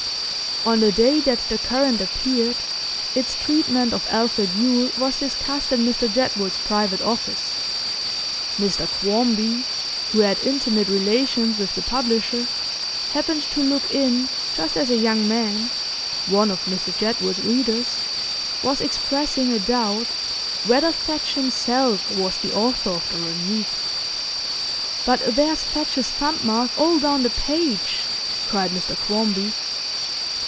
On the day that The Current appeared, its treatment of Alfred Yule was discussed in Mr Jedwood's private office. Mr Quarmby, who had intimate relations with the publisher, happened to look in just as a young man (one of Mr Jedwood's 'readers') was expressing a doubt whether Fadge himself was the author of the review. 'But there's Fadge's thumb mark all down the page,' cried Mr Quarmby.